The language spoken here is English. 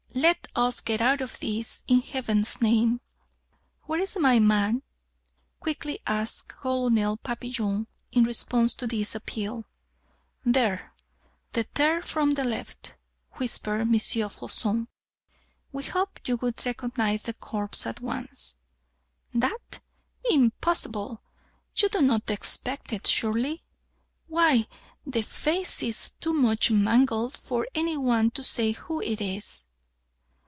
let us get out of this, in Heaven's name!" "Where's my man?" quickly asked Colonel Papillon in response to this appeal. "There, the third from the left," whispered M. Floçon. "We hoped you would recognize the corpse at once." "That? Impossible! You do not expect it, surely? Why, the face is too much mangled for any one to say who it is."